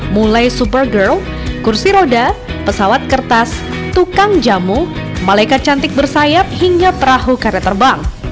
mulai superger kursi roda pesawat kertas tukang jamu malaikat cantik bersayap hingga perahu karet terbang